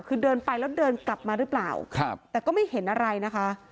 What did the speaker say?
คือเดินไปแล้วเดินกลับมาหรือเปล่าแต่ก็ไม่เห็นอะไรนะคะ